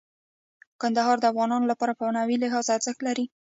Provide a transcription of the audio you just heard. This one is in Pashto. کندهار د افغانانو لپاره په معنوي لحاظ ارزښت لري.